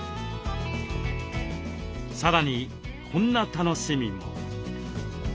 さらにこんな楽しみも。